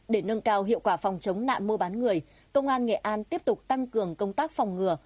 để nâng cao hiệu quả phòng chống nạn mua bán người công an nghệ an tiếp tục tăng cường công tác phòng ngừa